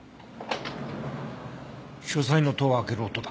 書斎の戸を開ける音だ。